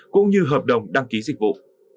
cũng như hợp đồng đăng ký dịch vụ